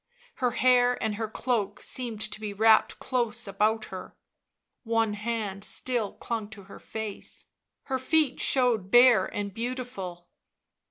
Her hair and her cloak seemed to be wrapped close about her; one hand still clung to her face; her feet showed bare and beautiful.